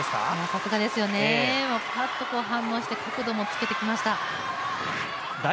さすがですよね、パッと反応して角度もつけてきました。